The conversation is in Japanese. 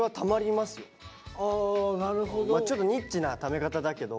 まあちょっとニッチなため方だけど。